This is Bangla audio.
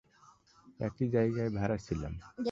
একই জায়গায় ভাড়া ছিলাম।